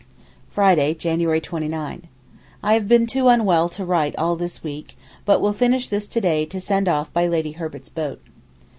Friday, January 29.—I have been too unwell to write all this week, but will finish this to day to send off by Lady Herbert's boat.